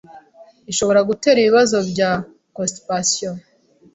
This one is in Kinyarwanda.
ishobora gutera ibibazo bya constipation,